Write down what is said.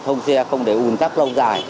thông xe không để ùn tắc lâu dài